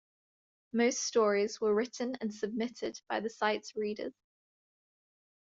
Most stories were written and submitted by the site's readers.